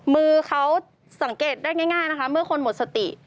มือเขาสังเกตได้ง่ายนะคะเมื่อคนหมดสติ